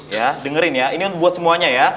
ya dengerin ya ini buat semuanya ya